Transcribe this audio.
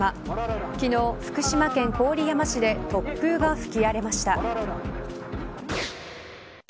昨日、福島県郡山市で突風が吹き荒れました。